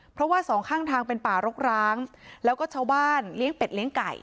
เพราะว่าสองข้างทางเป็นป่ารกร้างแล้วก็ชาวบ้านเลี้ยงเป็ดเลี้ยงไก่